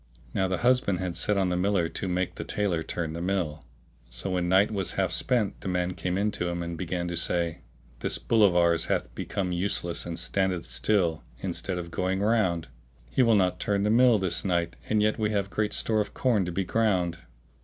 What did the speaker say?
Now the husband had set on the miller to make the tailor turn the mill: so when night was half spent the man came in to him and began to say, "This bull of ours hath be come useless and standeth still instead of going round: he will not turn the mill this night, and yet we have great store of corn to be ground.